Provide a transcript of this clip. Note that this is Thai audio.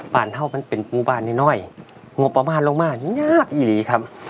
เท่ามันเป็นหมู่บ้านน้อยงบประมาณลงมานี่ยากอีหลีครับ